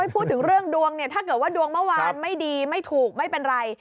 พูดถึงเรื่องดวงเนี่ยถ้าเกิดว่าดวงเมื่อวานไม่ดีไม่ถูกไม่เป็นไร